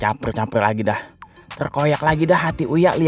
aw cantik sekali ini